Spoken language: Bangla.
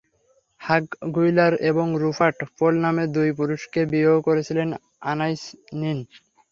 হাগ গুইলার এবং রুপার্ট পোল নামে দুই পুরুষকে বিয়েও করেছিলেন আনাইস নিন।